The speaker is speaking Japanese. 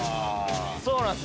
そうなんす！